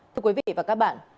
thưa quý vị và các bạn